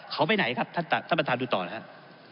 เขาไปไหนครับท่านประธานดูต่อนะครับ